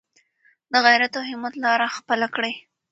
د غیرت او همت لاره خپله کړئ.